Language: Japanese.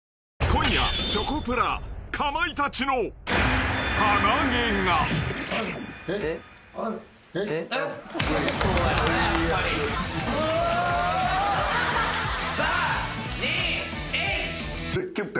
［今夜チョコプラかまいたちの鼻毛が］あーっ。